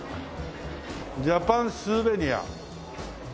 ジャパンスーベニア。